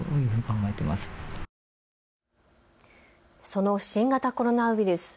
その新型コロナウイルス。